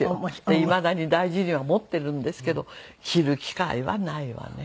いまだに大事には持っているんですけど着る機会はないわね。